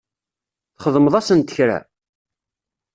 Txedmeḍ-asent kra?